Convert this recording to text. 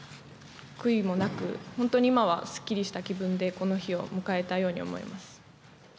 悔いもなく本当に今はすっきりした気分でこの日を迎えたように思います。